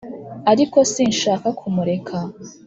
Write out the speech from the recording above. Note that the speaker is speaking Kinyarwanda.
ariko sinshaka kumureka